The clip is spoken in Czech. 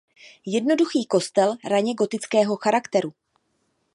Jednoduchý kostel raně gotického charakteru.